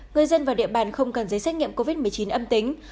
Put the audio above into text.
người dân vào địa bàn không cần giấy xét nghiệm covid một mươi chín âm tính